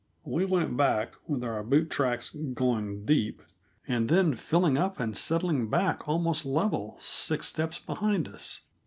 We went back, with our boot tracks going deep, and then filling up and settling back almost level six steps behind us.